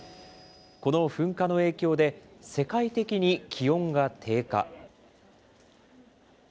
この噴火の影響で世界的に気温が低下。